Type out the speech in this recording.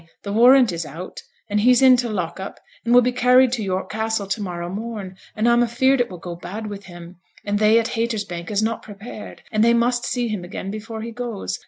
the warrant is out, and he's in t' lock up, and will be carried to York Castle to morrow morn; and I'm afeared it will go bad with him; and they at Haytersbank is not prepared, and they must see him again before he goes.